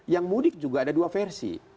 yang mudik juga ada dua versi